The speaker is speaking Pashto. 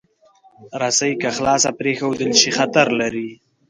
رسۍ که خلاصه پرېښودل شي، خطر لري.